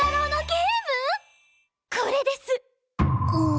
これです！